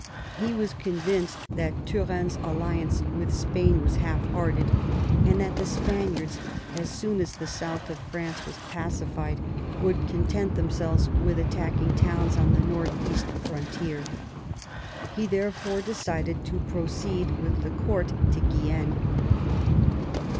He was convinced that Turenne's alliance with Spain was half hearted, and that the Spaniards, as soon as the south of France was pacified, would content themselves with attacking towns on the north east frontier. He therefore decided to proceed with the court to Guienne.